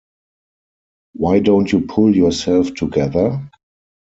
Why don't you pull yourself together?